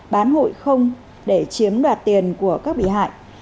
bán hụi không để chiếm đoạt tiền của các bị hại